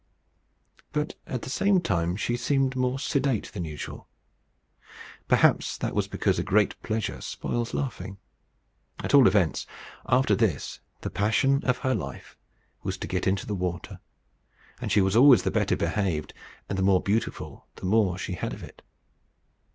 But at the same time she seemed more sedate than usual. Perhaps that was because a great pleasure spoils laughing. At all events, after this, the passion of her life was to get into the water, and she was always the better behaved and the more beautiful the more she had of it.